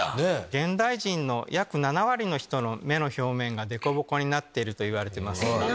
現代人の約７割の人の目の表面がデコボコになっているといわれてます。